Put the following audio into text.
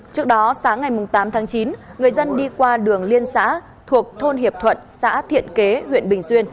trước đó sáng ngày tám tháng chín người dân đi qua đường liên xã thuộc thôn hiệp thuận xã thiện kế huyện bình xuyên